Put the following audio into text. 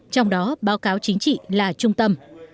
trong đó báo cáo chính trị là trung tâm